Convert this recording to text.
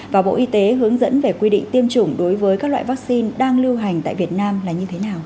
và bộ y tế hướng dẫn về quy định tiêm chủng đối với các loại vaccine đang lưu hành tại việt nam là như thế nào